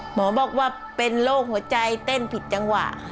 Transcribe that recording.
หมอบอกว่าเป็นโรคหัวใจเต้นผิดจังหวะ